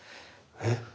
えっ？